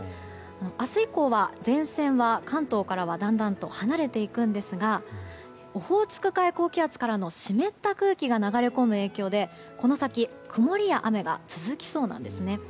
明日以降は前線は、関東からはだんだんと離れていくんですがオホーツク海から高気圧が流れ込む影響でこの先、曇りや雨が続きそうなんですね。